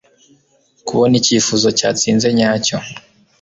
kubona icyifuzo cyatsinze nyacyo